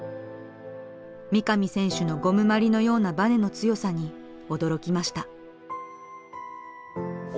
三上選手のゴムまりのようなバネの強さに驚きました。